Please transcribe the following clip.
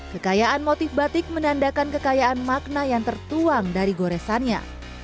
kekayaan motif batik menandakan kekayaan makna yang tertuang dari goresannya